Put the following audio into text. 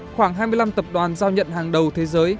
khoảng hai mươi năm tập đoàn giao nhận hàng đầu thế giới